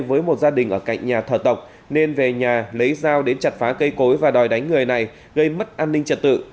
với một gia đình ở cạnh nhà thờ tộc nên về nhà lấy dao đến chặt phá cây cối và đòi đánh người này gây mất an ninh trật tự